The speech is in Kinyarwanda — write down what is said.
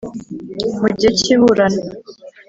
mu gihe cy iburana